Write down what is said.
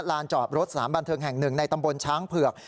จอดรถสถานบันเทิงแห่งหนึ่งในตำบลช้างเผือก